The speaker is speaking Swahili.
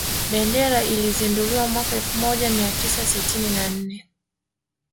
Bendera ilizinduliwa mwaka elfu moja mia tisa sitini na nne